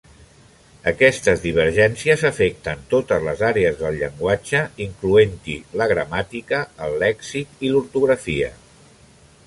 Aquestes divergències afecten totes les àrees del llenguatge, incloent-hi la gramàtica, el lèxic i l'ortografia.